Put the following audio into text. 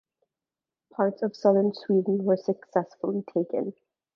Parts of southern Sweden were successfully taken.